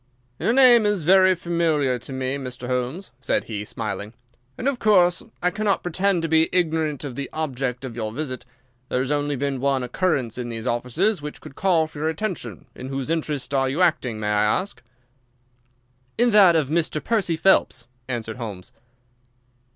"Your name is very familiar to me, Mr. Holmes," said he, smiling. "And, of course, I cannot pretend to be ignorant of the object of your visit. There has only been one occurrence in these offices which could call for your attention. In whose interest are you acting, may I ask?" "In that of Mr. Percy Phelps," answered Holmes.